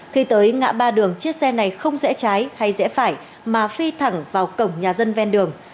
khi tới ngã ba đường chiếc xe này không rẽ trái hay rẽ phải mà phi thẳng vào cổng nhà dân ven đường